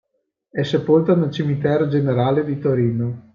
È sepolta nel Cimitero Generale di Torino.